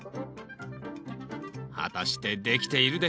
果たしてできているでしょうか？